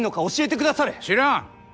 知らん。